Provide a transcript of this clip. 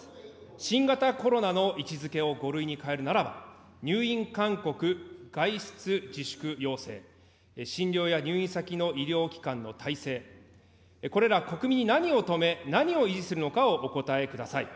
新型コロナの位置づけを５類に変えるならば、入院勧告、外出自粛要請、診療や入院先の医療機関の体制、これら、国民に何を止め、何を維持するのかをお答えください。